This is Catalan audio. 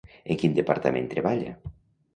En quin departament treballa?